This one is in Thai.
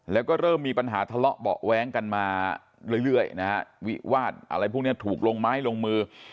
แล้วก็เริ่มมีปัญหาทะเลาะเบาะแว้งกันมาเรื่อยนะฮะวิวาดอะไรพวกนี้ถูกลงไม้ลงมือ